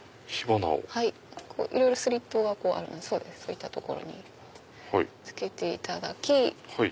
いろいろスリットがあるんでそういった所に付けていただき。